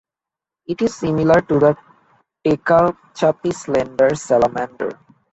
It is similar to the Tehachapi slender salamander.